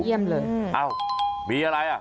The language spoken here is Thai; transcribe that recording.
เยี่ยมเลยเอ้ามีอะไรอ่ะ